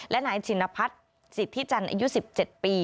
และนายชินพัฒน์สิทธิจันทร์อายุ๑๗ปี